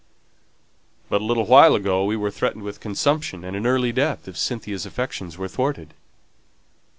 "But a little while ago we were threatened with consumption and an early death if Cynthia's affections were thwarted."